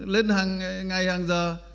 lên hàng ngày hàng giờ